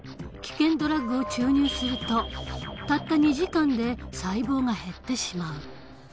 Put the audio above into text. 危険ドラッグを注入するとたった２時間で細胞が減ってしまう。